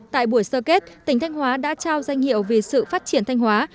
tại buổi sơ kết tỉnh thanh hóa đã trao danh hiệu vì sự phát triển thanh hóa